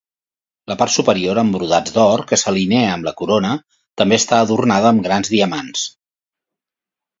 La part superior amb brodats d'or que s'alinea amb la corona també està adornada amb grans diamants.